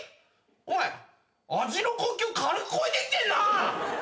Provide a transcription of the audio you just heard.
お前味の国境軽く越えてきてんな！